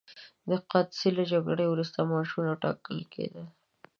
د قادسیې له جګړې وروسته معاشونه ټاکل کېدل.